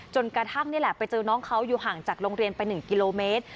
กระทั่งนี่แหละไปเจอน้องเขาอยู่ห่างจากโรงเรียนไป๑กิโลเมตร